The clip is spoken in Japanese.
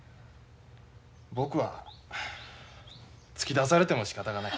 僕は突き出されてもしかたがない。